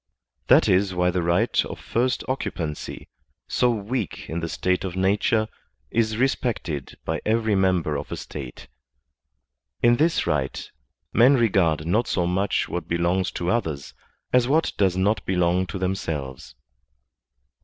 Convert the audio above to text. That is why the right of first occupancy, so weak in the state of nature, is respected by every member of a State. In this right men regard not so much what belongs to others as what does not belong to themselves.